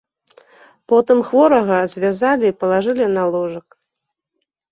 Потым хворага звязалі і палажылі на ложак.